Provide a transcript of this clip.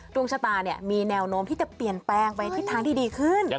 ดวงชะตามีแนวโน้มที่จะเปลี่ยนแปลงไปทิศทางที่ดีขึ้น